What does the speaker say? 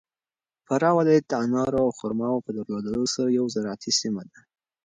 فراه ولایت د انارو او خرماوو په درلودلو سره یو زراعتي سیمه ده.